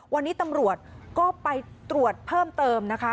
วันนี้ตำรวจก็ไปตรวจเพิ่มเติมนะคะ